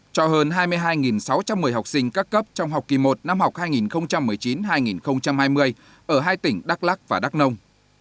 cho hơn hai mươi hai sáu trăm một mươi học sinh các cấp trong học kỳ một năm học hai nghìn một mươi chín hai nghìn hai mươi ở hai tỉnh đắk lắc và đắk nông